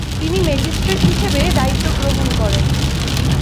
তিনি ম্যাজিস্ট্রেট হিসেবে দায়িত্ব গ্রহণ করেন।